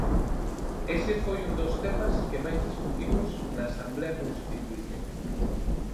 Ese foi un dos temas que máis discutimos na Asamblea Constituínte.